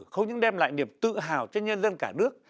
không những đem lại niềm tự hào cho nhân dân cả nước